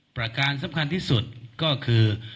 ประการสำคัญที่สุดก็คือ